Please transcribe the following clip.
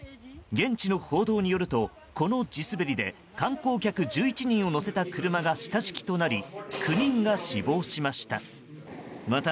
現地の報道によるとこの地滑りで観光客１１人を乗せた車が下敷きとなり９人が死亡しました。